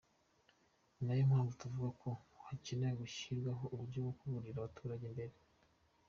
Ni yo mpamvu tuvuga ko hakenewe ko hashyirwaho uburyo bwo kuburira abaturage mbere.